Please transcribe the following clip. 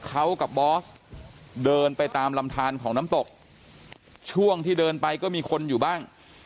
เขากับบอสเดินไปตามลำทานของน้ำตกช่วงที่เดินไปก็มีคนอยู่บ้าง